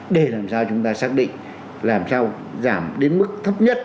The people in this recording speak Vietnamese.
để làm sao chúng ta xác định làm sao giảm đến mức thấp nhất